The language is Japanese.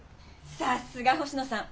さすが星野さん！